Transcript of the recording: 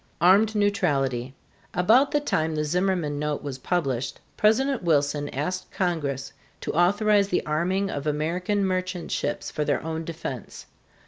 ARMED NEUTRALITY. About the time the Zimmerman note was published, President Wilson asked Congress to authorize the arming of American merchant ships for their own defense.